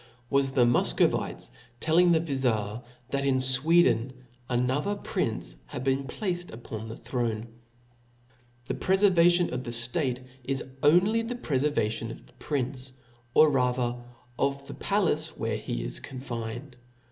was the Mufcovites telling the Vizir, that in Sweden an other prince had been fet upon the throne (0 (')Conti. . The prefervatibn of the ftate is only the prefer Puffen" vation of the prince, or rather of the palace where ^<^»^9' he is confined.